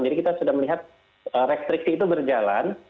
jadi kita sudah melihat restriksi itu berjalan